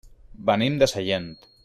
Venim de Sellent.